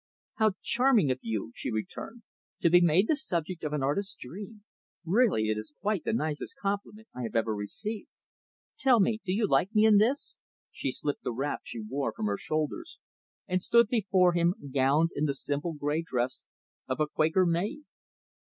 "How charming of you!" she returned. "To be made the subject of an artist's dream really it is quite the nicest compliment I have ever received. Tell me, do you like me in this?" she slipped the wrap she wore from her shoulders, and stood before him, gowned in the simple, gray dress of a Quaker Maid.